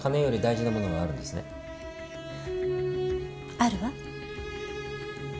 あるわ。